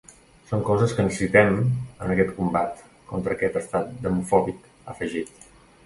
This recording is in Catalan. Són coses que necessitem en aquest combat contra aquest estat demofòbic, ha afegit.